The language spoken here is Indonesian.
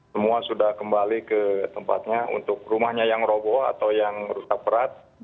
semua sudah kembali ke tempatnya untuk rumahnya yang robo atau yang rusak berat